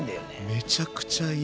めちゃくちゃいい。